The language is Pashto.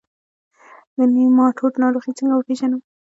د نیماټوډ ناروغي څنګه وپیژنم؟